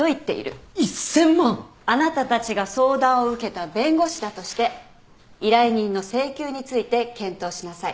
あなたたちが相談を受けた弁護士だとして依頼人の請求について検討しなさい。